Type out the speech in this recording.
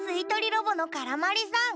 ロボのからまりさん。